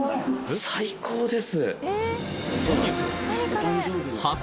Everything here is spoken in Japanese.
最高です！